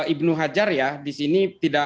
ibnu hajar ya disini